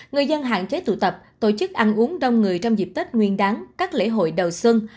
người dân hạn chế tụ tập tổ chức ăn uống đông người trong dịp tết nguyên đáng các lễ hội đầu xuân